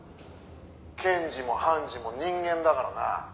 「検事も判事も人間だからな」